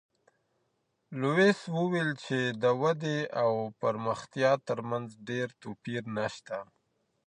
لویس وویل چی د ودي او پرمختیا ترمنځ ډېر توپیر نشته.